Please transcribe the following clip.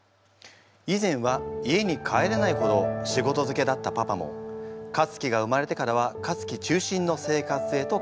以前は家に帰らないほど仕事づけだったパパもかつきが生まれてからはかつき中心の生活へと変わりました。